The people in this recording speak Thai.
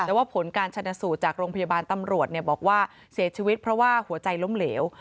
แต่ว่าผลการชนะสูตรจากโรงพยาบาลตำรวจบอกว่าเสียชีวิตเพราะว่าหัวใจล้มเหลว